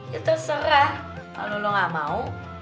ya terserah kalo lo ga mau